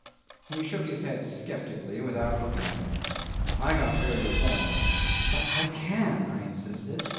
He shook his head sceptically without looking at me. I got very warm. "But I can," I insisted.